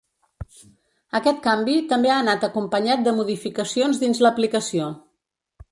Aquest canvi també ha anat acompanyat de modificacions dins l’aplicació.